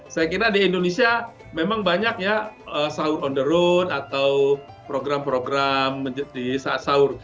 saya kira di indonesia memang banyak ya sahur on the road atau program program di saat sahur